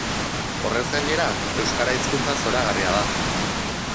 Horrez gainera, euskara hizkuntza zoragarria da.